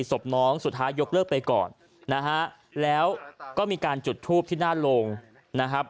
ศพน้องสุดท้ายยกเลิกไปก่อนนะฮะแล้วก็มีการจุดทูปที่หน้าโรงนะครับ